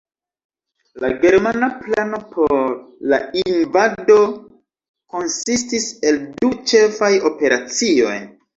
La germana plano por la invado konsistis el du ĉefaj operacioj.